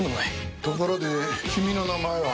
ところで君の名前は？